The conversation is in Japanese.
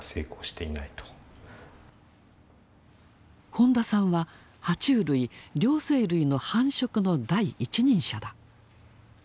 本田さんはは虫類両生類の繁殖の第一人者だ。